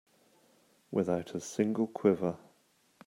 Without a single quiver.